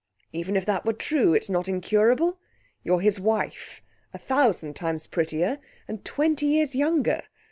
"Even if that were true, it's not incurable. You're his wife. A thousand times prettier and twenty years younger!